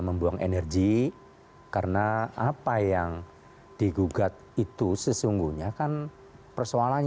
seperti apa yang dilakukan juga seperti tahu